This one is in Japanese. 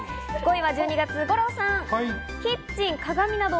５位は１２月、五郎さん。